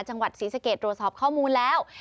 จังหวัดศรีสะเกดตรวจสอบข้อมูลแล้ว